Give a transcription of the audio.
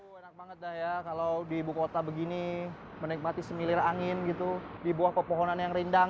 enak banget dah ya kalau di ibu kota begini menikmati semilir angin gitu di buah pepohonan yang rindang